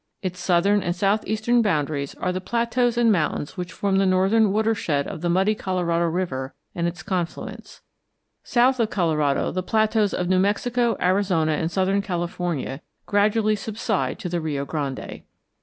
Its southern and southeastern boundaries are the plateaus and mountains which form the northern watershed of the muddy Colorado River and its confluents. South of the Colorado, the plateaus of New Mexico, Arizona, and southern California gradually subside to the Rio Grande.